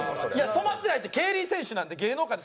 染まってないって競輪選手なんで芸能界で。